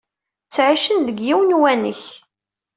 Ttɛicen deg yiwen uwanek.